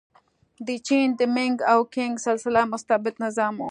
د چین د مینګ او کینګ سلسله مستبد نظام و.